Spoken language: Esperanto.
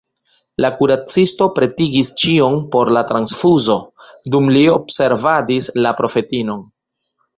La kuracisto pretigis ĉion por la transfuzo, dum li observadis la profetinon.